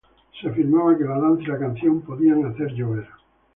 Se afirmaba que la danza y la canción podían hacer llover.